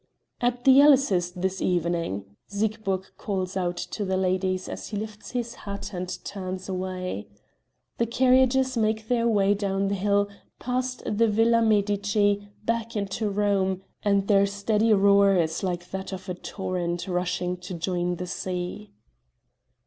"At the Ellis' this evening," Siegburg calls out to the ladies as he lifts his hat and turns away. The carriages make their way down the hill, past the Villa Medici, back into Rome, and their steady roar is like that of a torrent rushing to join the sea.